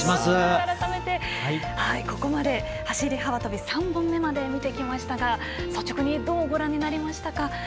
改めて、ここまで走り幅跳び３本目まで見てきましたが率直にどうご覧になりましたか。